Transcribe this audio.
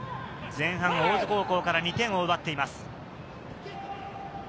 前半、大津高校から２点を奪っています。